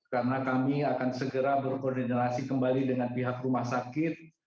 karena kami akan segera berkoordinasi kembali dengan pihak rumah sakit